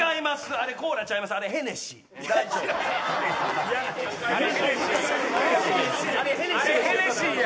あれヘネシーや。